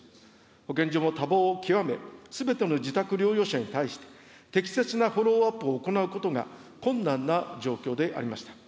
保健所も多忙を極め、すべての自宅療養者に対して、適切なフォローアップを行うことが困難な状況でありました。